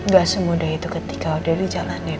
gak semudah itu ketika udah dijalanin